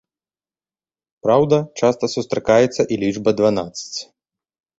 Праўда, часта сустракаецца і лічба дванаццаць.